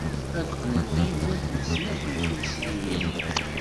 Ad qqnen taywalt d snat n tuddsiwin.